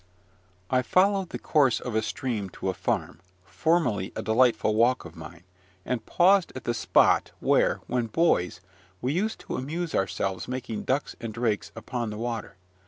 I followed the course of a stream to a farm, formerly a delightful walk of mine, and paused at the spot, where, when boys, we used to amuse ourselves making ducks and drakes upon the water.